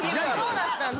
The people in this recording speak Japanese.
そうだったんだ。